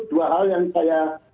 dua hal yang saya